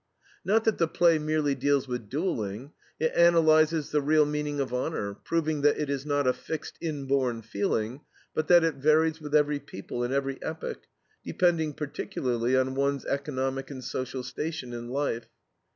Not that the play merely deals with duelling; it analyzes the real meaning of honor, proving that it is not a fixed, inborn feeling, but that it varies with every people and every epoch, depending particularly on one's economic and social station in life.